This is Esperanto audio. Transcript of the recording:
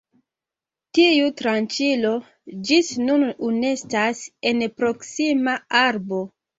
Tiu tranĉilo ĝis nun enestas en proksima arbo.